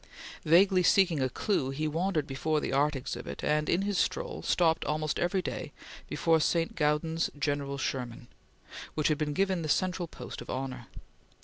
Vaguely seeking a clue, he wandered through the art exhibit, and, in his stroll, stopped almost every day before St. Gaudens's General Sherman, which had been given the central post of honor.